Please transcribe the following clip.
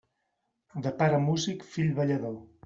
De pare músic, fill ballador.